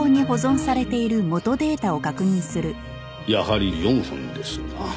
やはり４本ですな。